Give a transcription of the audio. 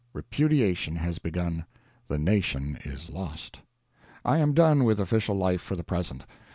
Repudiation has begun! The nation is lost. I am done with official life for the present.